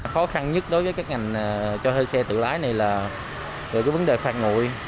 khó khăn nhất đối với các ngành cho thuê xe tự lái này là vấn đề phạt ngụy